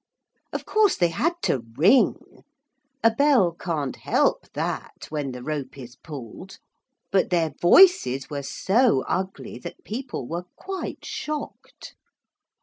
Of course they had to ring a bell can't help that when the rope is pulled but their voices were so ugly that people were quite shocked.